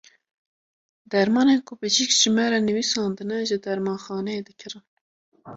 Dermanên ku bijîşk ji me re nivîsandine, ji dermanxaneyê dikirin.